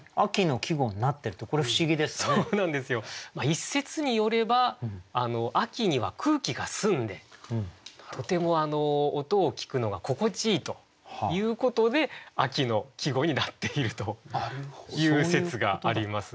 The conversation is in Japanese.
一説によれば秋には空気が澄んでとても音を聞くのが心地いいということで秋の季語になっているという説があります。